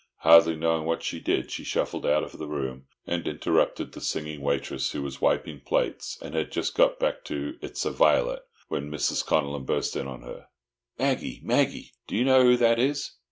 Hardly knowing what she did, she shuffled out of the room, and interrupted the singing waitress who was wiping plates, and had just got back to "It's a vilet" when Mrs. Connellan burst in on her. "Maggie! Maggie! Do you know who that is?